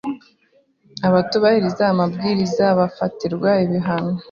abatubahiriza amabwiriza bafatirwe ibihano.